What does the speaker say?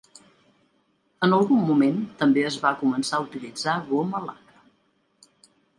En algun moment també es va començar a utilitzar goma laca.